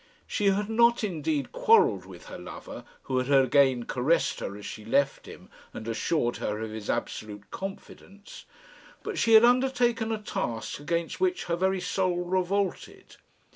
She had not, indeed, quarrelled with her lover, who had again caressed her as she left him, and assured her of his absolute confidence, but she had undertaken a task against which her very soul revolted.